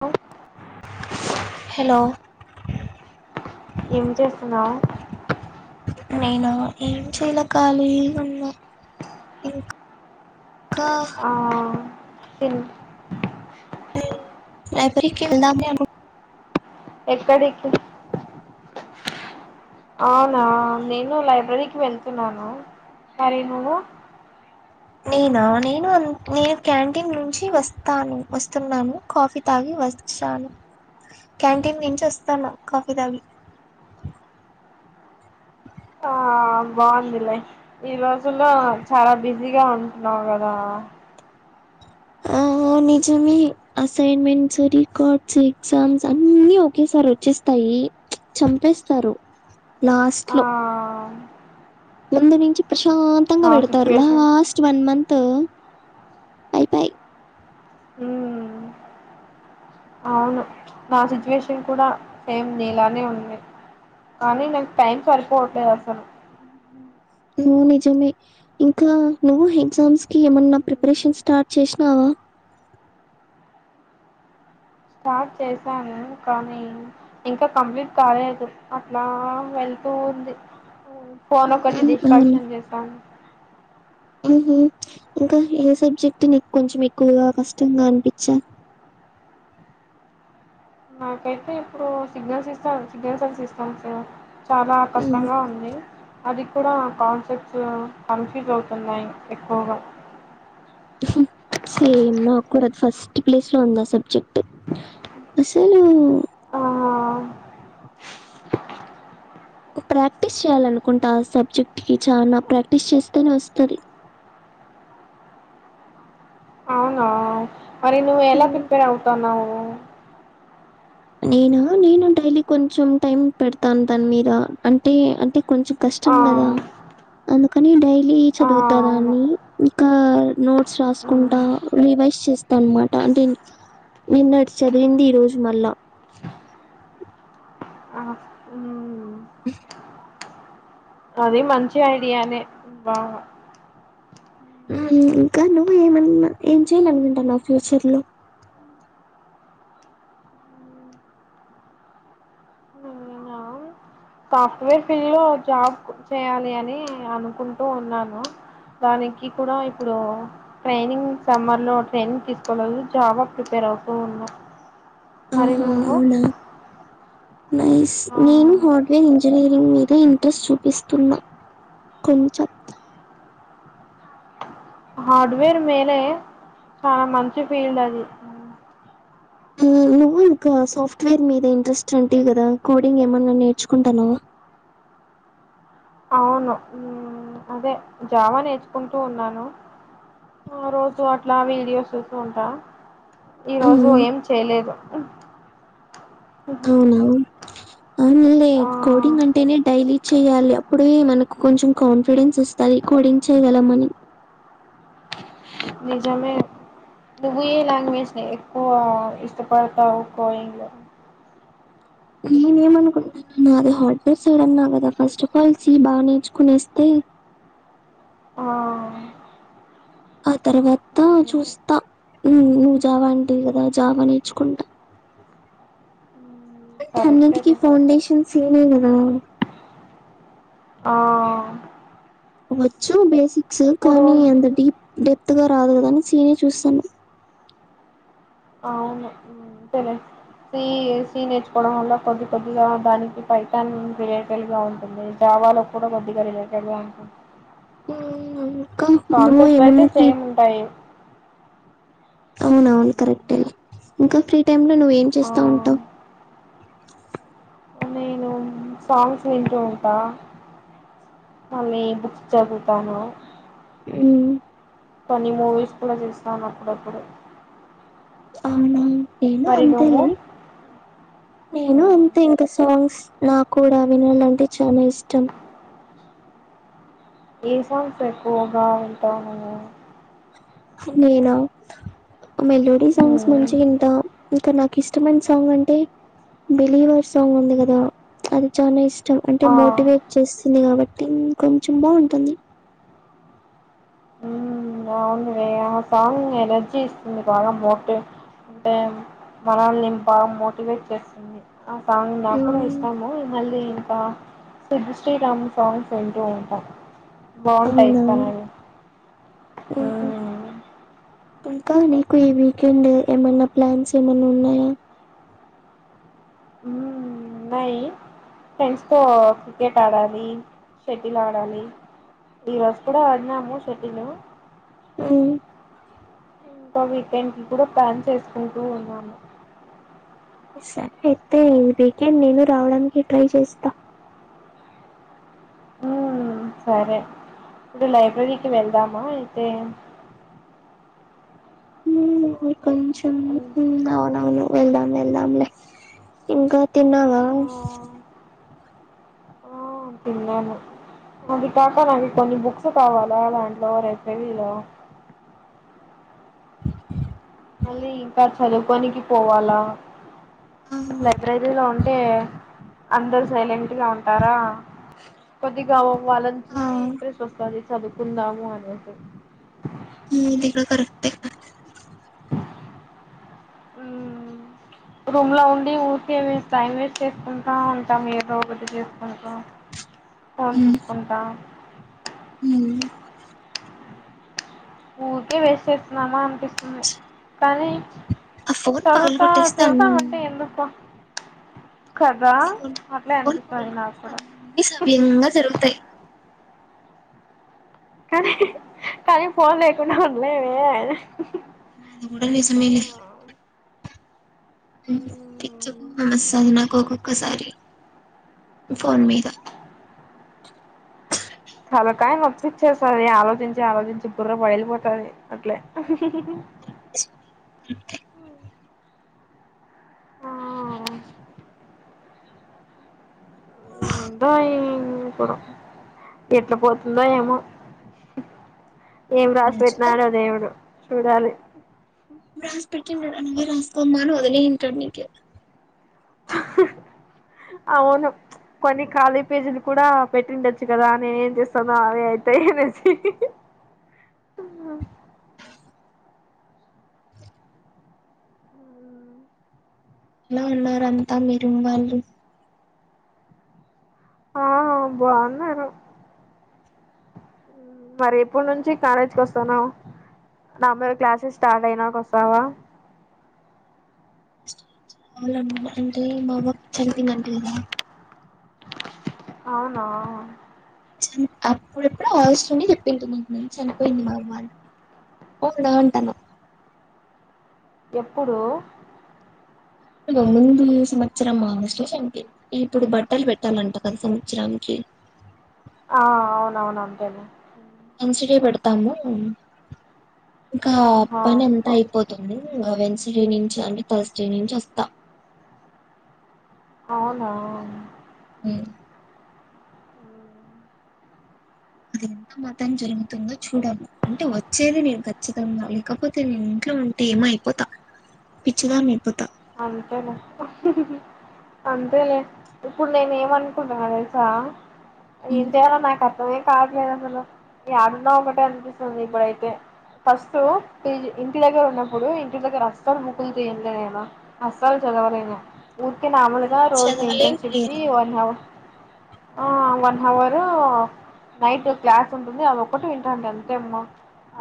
హ హలో ఏం చేస్తున్నావు నేనా ఏం చేల ఖాళీగా ఉన్నా ఇంకా క తీన్ లైబ్రరీకి వెళ్దాం లే అను ఎక్కడికి అవునా నేను లైబ్రరీకి వెళ్తున్నాను మరి నువ్వు నేనా నేను నేను క్యాంటీన్ నుంచి వస్తాను వస్తున్నాను కాఫీ తాగి వచ్చాను క్యాంటీన్ నుంచి వస్తాన కాఫీ తాగి ఆ బాగుందిలై ఈ రోజుల్లో చాలా బిజీగా ఉంటున్నావు కదా ఆ నిజమే అసైన్మెంట్స్ రికార్డ్స్ ఎగ్జామ్స్ అన్ని ఒకే సార్ వచ్చేస్తాయి ఈ చంపేస్తారు లాస్ట్ ఆ లో ముందు నుంచి ప్రశాంతంగా నా పెడతారు, సిచ్యువేషన్ కూడా లాస్ట్ వన్ మంత్ తో పై పై మ్మ్ అవును నా సిచ్యువేషన్ కూడా సేమ్ నీలానే ఉంది కానీ నాకు టైం సరిపోవట్లేదు అసలు. ను నిజమే ఇంకా నువ్వు ఎగ్జామ్స్ కి ఏమన్నా ప్రిపరేషన్ స్టార్ట్ చేసినావా? స్టార్ట్ చేశాను కానీ ఇంకా కంప్లీట్ కాలేదు, అట్లా వెల్ తుంది ఉంది ఫోన్ ఒకటి అవును డిస్ట్రాక్షన్ చేస్తాను. ఉహు ఇంకా ఏ సబ్జెక్ట్ నీకు కొంచెం ఎక్కువగా కష్టంగా అనిపించ నాకైతే ఇప్పుడు సిగ్నల్స్ ఇస్తా సిగ్నల్స్ అండ్ సిస్టమ్స్ చాలా కష్టంగా ఉంది. అది కూడా కాన్సెప్ట్స్ కన్ఫ్యూజ్ అవుతున్నాయి ఎక్కువగా. సేమ్ నాక్కూడ ఫస్ట్ ప్లేస్ లో ఉందా సబ్జెక్ట్ అసలు ఆ ప్రాక్టీస్ చేయాలనుకుంటా ఆ సబ్జెక్ట్ కి చానా ప్రాక్టీస్ చేస్తేనే వస్తది అవునా మరి నువ్వు ఎలా ప్రిపేర్ అవుతన్నావు? నేనా నేను డైలీ కొంచెం టైమ్ పెడతాను దాని మీద అంటే అంటే కొంచెం కష్టం ఆ కదా. అందుకని డైలీ ఆ చదువుతా అవును దాన్ని, ఇంకా నోట్స్ ఉమ్, రాసుకుంటా వీ ఫ్రెష్ చేస్తాన్నమాట అంటే నిన్న చదివింది ఈ రోజు మళ్ళా ఆ, ఉమ్, అది మంచి ఐడియానే బాగ ఇంకా నువ్వు ఏమన్నా ఏం చేయాలనుకుంటన్నావ్ ఫ్యూచర్ లో? నేనా సాఫ్ట్వేర్ ఫీల్డ్ లో జాబ్ చేయాలి అని అనుకుంటూ ఉన్నాను. దానికి కూడా ఇప్పుడు ట్రైనింగ్ సమ్మర్ లో ట్రైనింగ్ తీసుకోలేదు, జావ ప్రిపేర్ అవుతూ ఉన్నా, మరి ఆహా నువ్వు? అవునా నైస్, ఆ నేను హార్డ్వేర్ ఇంజనీరింగ్ మీద ఇంట్రెస్ట్ చూపిస్తున్నా కొంచం హార్డ్వేర్ మేలే, చాలా మంచి ఫీల్డ్ అది. మ్మ్, ఇంకా సాఫ్ట్వేర్ మీద ఇంట్రెస్ట్ అంటివి కదా, కోడింగ్ ఏమన్నా నేర్చుకుంటన్నవా? అవును అదే జావా నేర్చుకుంటూ ఉన్నాను. ఆ రోజు అట్లా వీడియోస్ చూస్తూ ఉంట, ఈ రోజు మ్మ్, ఏం చేయలేదు. ఈ ఆ కోడింగ్ అంటేనే డైలీ చేయాలి అప్పుడే మనకు కొంచెం కాన్ఫిడెన్స్ వస్తది, కోడింగ్ చేయ ల మని నిజమే నువ్వు ఏ లాంగ్వేజ్ ని ఎక్కువ ఇష్టపడతావు కోయింగ్ లో? నేనేమనుకుంటున్నా నాది హార్డ్వేర్ సైడన్నా కదా ఫస్ట్ ఆఫ్ ఆల్ సి బాగా నేర్చుకునేస్తే ఆ ఆ తర్వాత నిజమే చూస్తా నువ్వు జావా అంటివి కదా జావా నేర్చుకుంటా. అంట కరెక్టే అన్నింటికీ లే ఫౌండేషన్ సీ నే కదా. ఆ వచ్చు బేసిక్స్ ఇప్పుడు కానీ అంత డీప్ డెప్త్ గా రాదు కదా అని సీనే చూస్తాన్న తేలే సి సి నేర్చుకోవడం వల్ల కొద్ది కొద్దిగా దానికి పైటన్ వెరైటల్ గా ఉంటుంది వాళ్ళకు కూడా కొద్దిగా రిలేటడ్ గా ఉంటుంది ఉమ్, ఇంకా నువ్వు కాన్సెప్ట్స్ అయితే ఏమన్నా ఫ్రీ సేమ్ ఉంటాయి అవున అవును కరెక్టే ఇంకా ఫ్రీ టై లో నువ్వు ఏం ఆ చేస్తా ఉంటావ్ నేను సాంగ్స్ వింటూ ఉంటా మళ్ళీ బుక్స్ చదువుతాను ఊ కొన్ని మూవీస్ కూడా చుస్తాను అప్పుడప్పుడు అవునా నేను మరి నువ్వు అంతేలే నేను అంతే ఇంకా సాంగ్స్ నా కూడా వినాలంటే చాలా ఇష్టం ఏ సాంగ్స్ ఎక్కువగా వింటావ్ నువ్వు నేనా మెలోడీ నేనా సాంగ్స్ మంచిగా ఇంట ఇంకా నాకు ఇష్టమైన సాంగ్ అంటే బిలీవర్ సాంగ్ ఉంది కదా అది చానా ఇష్టం చం అంటే ఆ మోటివేట్ చేస్తుంది కాబట్టి కొంచెం బాగుంటుంది సాంగ్ వే ఆ సాంగ్ ఎనర్జీ ఇస్తుంది బాగా మోటి అంటే మనల్నిను బాగా మోటివేట్ చేస్తుంది ఆ సాంగ్ నాకు కూడా మ్మ్. ఇష్టము మళ్ళీ ఆ [unintelligible] శ్రీ రామ్ సాంగ్స్ వింటూ ఉంటా బాగుంటాయి కానీ ఉహు ఇంకా నీకు ఈ వీకెండ్ ఏమన్నా ప్లాన్స్ ఏమన్నా ఉన్నాయా ఫ్రెండ్స్ తో క్రికెట్ ఆడాలి షెటిల్ ఆడాలి ఈ రోజు కూడా ఆడినాము షటిల్ అ ఇంకా వీకెండ్ కి కూడా ప్లాన్ చేసుకుంటూ ఉన్నాను సరే అయితే ఈ వీకెండ్ నేను రావడానికి ట్రై చేస్తా ఉమ్ సరే ఇప్పుడు లైబ్రరీకి వెళ్దామా అయితే కొంచం ఊ అవునవును వెళ్దాం వెళ్దంలే ఇంకా తిన్నావా ఆ ఆ తిన్నాను అది కాక నాకు కొన్ని బుక్స్ కావాలా దాంట్లో లైబ్రరీ లో మళ్ళీ ఇంకా చదువుకోనికి పోవాలా ఆ లైబ్రరీలో ఉ టే అందరు సైలెంట్ గా ఉంటారా కొద్దిగా వాళ్ళని ఆ చూసి ఇంట్రెస్ట్ వస్తది చదువుకుందాము అనేసి ఉ ఇది కూడా కరెక్టే ఊ రూమ్ లో ఉండి ఊరికే టైం వేస్ట్ చేసుకుంటా ఉంటాం ఏదో ఒకటి చేసుకుంటు ఫోన్ చూసుకుంటా ఊ ఊరికే వెస్ట్ చేస్తున్నామా అనిపిస్తుంది కానీ ఆ ఫోన్ పగలు చదువుత కొట్టేస్తే అన్ చదువుతా ఉంటే ఎందుకు కదా అట్లే ఫోన్ పగలు అనిపిస్తది నాకు కొట్టేస్తే కూడా అన్ని సవ్యంగా జరుగుతాయి కానీ హ్హ్ కానీ ఫోన్ లేకుండా ఉండలేమె అది కూడా నిజమే లె పిచ్చు నమస్తార్ నాకు ఒక్కొక్కసారి ఫోన్ మీద తలకాయ నొప్పిచేస్తది ఆలోచించి ఆలోచించి బర్ర బయలిపోతుంది అట్లే హ్హ్హ్ ఎస్ అంతే ఆ ఏందో ఏం పాడో ఎట్లా పోతుందో ఏమో ఏం రాసి మ్మ్ చూద్దాం పెట్టినాడో దేవుడు చూడాలి రాస్ పెట్టుండని మీరు అయిసు తో మాను వదిలియ్యుంటాడు మీకే హ్హు అవును కొన్ని ఖాళీ పేజీలు కూడా పెట్టిండొచ్చు కదా, నేనే ఏం చేస్తానో అవే అయితాయి అనేసి హిహి ఉహు ఎలా ఉన్నారు అంతా మీరు వాళ్ళు? ఆ బావున్నారు మరి ఎప్పుడు నుంచి కాలేజ్కి వస్తాను నా మీరు క్లాసెస్ స్టార్ట్ అయినాక వస్తావా కావాలమ్మా అంటే మా అమ్మ చనిపిందంటడి కదా అవునా చున్ అప్పుడప్పుడు అవసరం మీ చెప్పింటు న నేను చనిపోయింది మాఅమ్మ ఊళ్ళో ఉంటను ఎప్పుడు ముందు సంవత్సర ఆగస్టే చనిపోయింది. ఇప్పుడు బట్టలు పెట్టాలంట కదా సంవత్సరానికి ఆ అవుననవును అంటేనే ఎన్సిడే పెడతాము ఇంకా ఆహా పని అంత అయిపోదు అ వెన్స్డే నుంచి అంటే థర్స్డే నుంచి వస్తా అవునా అది ఎంత మతాం జరుగుతుందో చూడము. అంటే వచ్చేది నేను ఖచ్చితంగా లేకపోతే నేను ఇంట్లో లో ఉంటే ఏమో అయిపోతా, పిచ్చిదాని అయిపోతా. అంతేలె హ్హ్హ్ అంతే లే ఇప్పుడు నేను ఏమనుకుంటును తెలుసా ఏం చేయాలో నాకు అర్ నువ్వే తాగలేదు అసలు ఏడున్నావ్ ఒక టయానికి ఇప్పుడు నీకు బయటే ఫస్ట్ ఈజీ ఇంటి దగ్గర ఉన్నప్పుడు ఇంటి దగ్గర అస్తాలు ముకులు తీయాన్నేనా అసలు చదవలేను ఊరికే మామూలుగా రోజు ఇంటని చదవలేం చెప్ది వన్ హవర్ ఆ వన్ అవరు నైట్ ఓ క్లాస్ ఉంటుంది అది ఒకక్కటి వింటాండి అంతేమ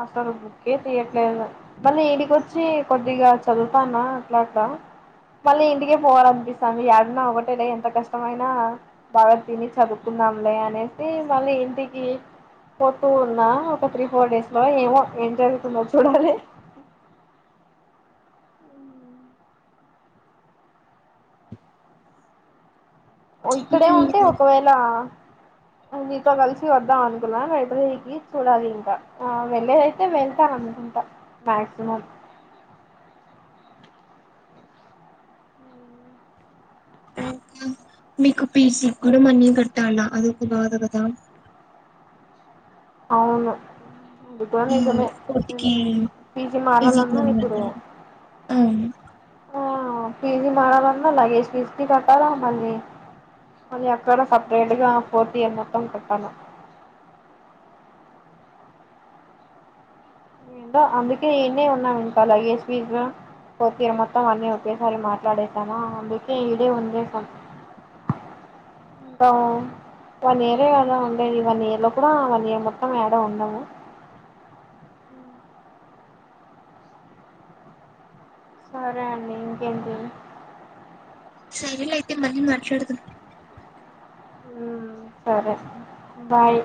అసలు బుకే తీయట్లేదు మళ్ళీ ఈడికొచ్చి కొద్దిగా చదువుతానా అట్లా అట్లా మళ్ళీ ఇంటికే పోవాల అనిపిస్తాంది ఏడున్నా ఒకటే లె ఎంత కష్టమైనా బాగా తిని చదువుకుందం లె అనేసి మళ్ళీ ఇంటికి పోతూ ఉన్నా ఒక త్రీ ఫోర్ డేస్ లో ఏమో ఎం జరుగుతుందో చూడాలి. ఒ ఇక్కడే ఉంటే లేరా ఒకవేళ నీతో కలిసి వద్దాం అనుకున్నా రైపుఇకి చూడాలి ఇంకా అ వెళ్లేదైతే వెళ్తాను అను ఉంటా మాక్సిమం ఇంకేం మీకు పిసి కూడా మనీ కట్టాల అది ఒక బాధ కదా అవును ఉండుకో కూడా ఈ నిజమే కోటికి పీజీ పీజీకి మారాలన్నా మనీ ఇప్పుడు కట్టాలా అవును ఆ ఫిజీ మారాలన్నా లగేజ్ ఫీజీ కట్టాలా మళ్ళీ అది అక్కడ సపరేట్గా ఫోర్త్ ఇయర్ మొత్తం కుట్టాలా ఏంటో అందుకే ఇడనే ఉన్నా ఇంకా లగేజ్ [unintelligible] ఓకే ఇడ మొత్తం అన్నీ ఒకేసారి మాట్లాడేసామా అందుకే ఇడే ఉండేశాం ఇంకా వన్ ఇయరే కదా ఉండేది వన్ ఇయర్ లో కూడా వన్ ఇయర్ మొత్తం యాడ ఉండము సరే అండి ఇంకేంటి సరే లే అయితే మళ్ళీ మాట్లాదాం హ్మ్ సరే బాయ్